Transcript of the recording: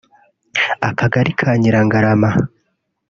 akagari ka Nyirangarama